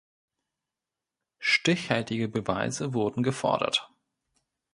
Stichhaltige Beweise wurden gefordert.